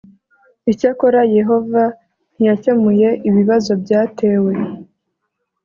Icyakora yehova ntiyakemuye ibibazo byatewe